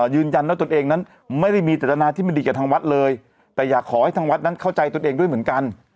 ยืนยันว่าตนเองนั้นไม่ได้มีจัตนาที่มันดีกับทางวัดเลยแต่อยากขอให้ทางวัดนั้นเข้าใจตนเองด้วยเหมือนกัน